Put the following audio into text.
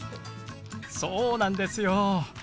そうなんですよ！